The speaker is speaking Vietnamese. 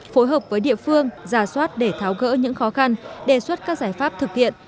phối hợp với địa phương giả soát để tháo gỡ những khó khăn đề xuất các giải pháp thực hiện